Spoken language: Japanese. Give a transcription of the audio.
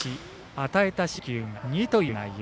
与えた四死球が２という内容。